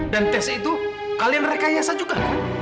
dan tes itu kalian rekayasa juga